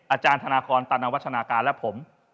อาจารย์ธนาคอนตันวัฒนาการและผม